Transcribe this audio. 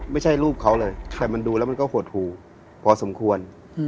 ไม่ใช่รูปเขาเลยแต่มันดูแล้วมันก็หดหูพอสมควร